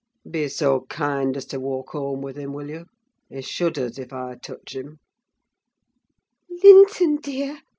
Be so kind as to walk home with him, will you? He shudders if I touch him." "Linton dear!"